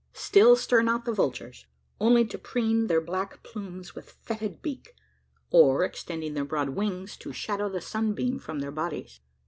Still stir not the vultures: only to preen their black plumes with fetid beak; or, extending their broad wings, to shadow the sunbeam from their bodies.